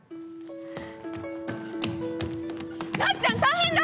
「なっちゃん大変だ！